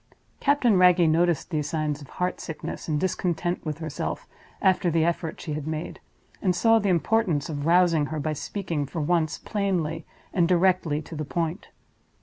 Captain Wragge noticed these signs of heart sickness and discontent with herself, after the effort she had made, and saw the importance of rousing her by speaking, for once, plainly and directly to the point.